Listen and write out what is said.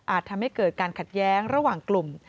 ทำให้เกิดการขัดแย้งระหว่างกลุ่ม